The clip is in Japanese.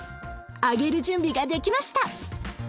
揚げる準備ができました。